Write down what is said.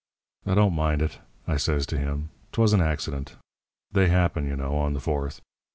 "'Don't mind it,' I says to him. ''Twas an accident. They happen, you know, on the Fourth.